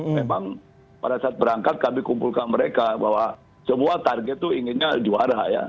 memang pada saat berangkat kami kumpulkan mereka bahwa semua target itu inginnya juara ya